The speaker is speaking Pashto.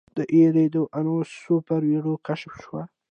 د ایریدانوس سوپر وایډ کشف شوی.